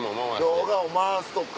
動画を回すとか。